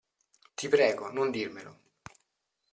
Ti prego, non dirmelo.